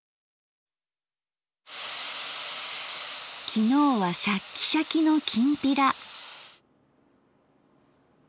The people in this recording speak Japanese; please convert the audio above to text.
昨日はシャッキシャキのきんぴら。